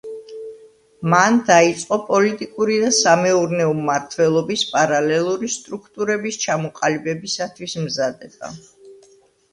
მან დაიწყო პოლიტიკური და სამეურნეო მმართველობის პარალელური სტრუქტურების ჩამოყალიბებისათვის მზადება.